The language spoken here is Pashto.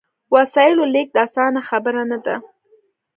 وسایلو لېږد اسانه خبره نه ده.